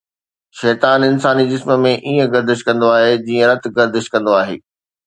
شيطان انساني جسم ۾ ائين گردش ڪندو آهي جيئن رت گردش ڪندو آهي